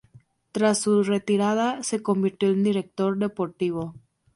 Tras su retirada se convirtió en director deportivo.